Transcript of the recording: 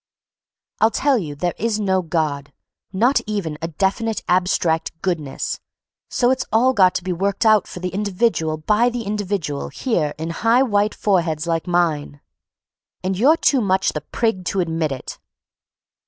I'll tell you there is no God, not even a definite abstract goodness; so it's all got to be worked out for the individual by the individual here in high white foreheads like mine, and you're too much the prig to admit it."